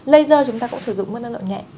laser chúng ta cũng sử dụng nguồn năng lượng nhẹ